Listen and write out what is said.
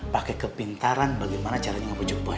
pakai kepintaran bagaimana caranya ngebujuk buah